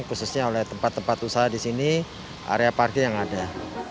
khususnya oleh tempat tempat usaha di sini area parkir yang ada